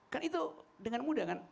kan itu dengan mudah kan